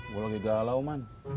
gue lagi galau man